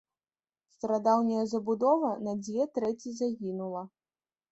Старадаўняя забудова на дзве трэці загінула.